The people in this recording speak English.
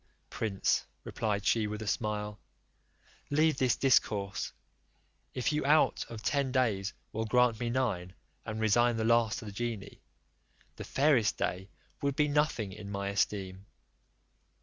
"Prince," replied she, with a smile, "leave this discourse; if you out of ten days will grant me nine, and resign the last to the genie, the fairest day would be nothing in my esteem."